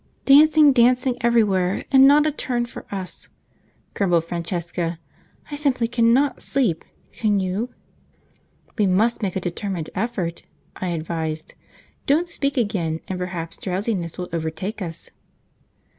"Dancing, dancing everywhere, and not a turn for us!" grumbled Francesca. "I simply cannot sleep, can you?" "We must make a determined effort," I advised; "don't speak again, and perhaps drowsiness will overtake us."